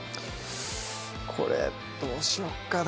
これどうしよっかな